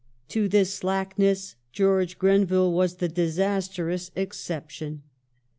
To this slackness George Grenville was the disastrous exception.